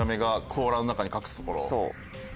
そう。